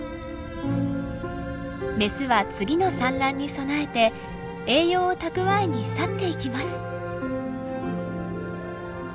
メスは次の産卵に備えて栄養を蓄えに去っていきます。